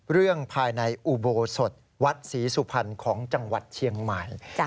เรื่องภายในอุโบสถวัดศรีสุพรรณของจังหวัดเชียงใหม่